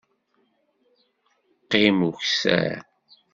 Qqim ukessar!